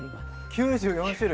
９４種類！